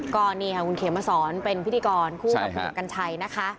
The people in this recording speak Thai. ก็นี่ค่ะคุณเขียนมาสอนเป็นพิธีกรคู่กับผู้ชมกัญชัย